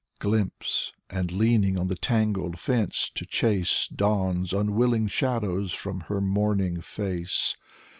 Glimpse, and leaning on the tangled fence, to chase Dawn*s unwilling shadows from her morning face.